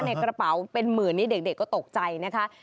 ในกระเป๋าเป็นหมื่นนี้เด็กก็ตกใจนะคะ